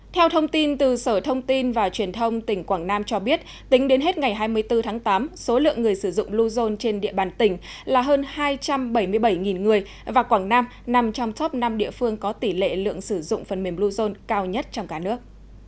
theo thông tin từ sở thông tin và truyền thông tỉnh quảng nam cho biết tính đến hết ngày hai mươi bốn tháng tám số lượng người sử dụng bluezone trên địa bàn tỉnh là hơn hai trăm bảy mươi bảy người và quảng nam nằm trong top năm địa phương có tỷ lệ lượng sử dụng phần mềm bluezone cao nhất trong cả nước